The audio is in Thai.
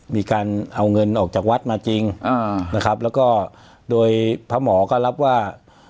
มีการเอาเงินออกจากวัดมาจริงนะครับแล้วก็โดยพระหมอก็รับว่า